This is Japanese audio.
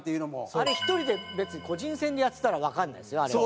あれ１人で別に個人戦でやってたらわかんないですよあれを。